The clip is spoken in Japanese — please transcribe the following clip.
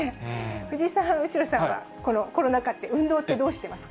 藤井さん、後呂さんはこのコロナ禍って、運動ってどうしてますか。